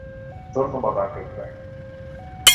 ধন্যবাদ, uncle Frank.